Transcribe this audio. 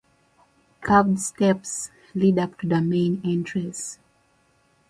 Curved steps lead up to the main entrance.